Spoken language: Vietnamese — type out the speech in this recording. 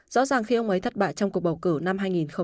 rõ ràng khi ông ấy thất bại trong cuộc bầu cử năm hai nghìn hai mươi